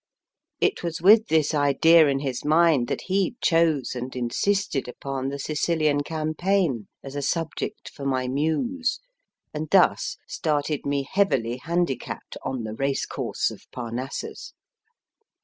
It was with this idea in his mind that he chose and insisted upon MISS BRADDON S COTTAGE AT LYNDHURST the Sicilian campaign as a subject for my muse, and thus started me heavily handicapped on the racecourse of Par nassus.